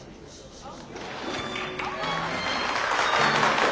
あっ！